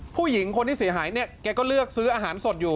ผู้หญิงคนที่เสียหายเนี่ยแกก็เลือกซื้ออาหารสดอยู่